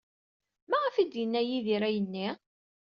Maɣef ay d-yenna Yidir ayenni?